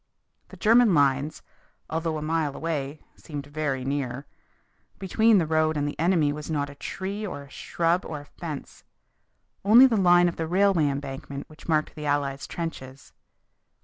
The German lines, although a mile away, seemed very near. Between the road and the enemy was not a tree or a shrub or a fence only the line of the railway embankment which marked the Allies' trenches.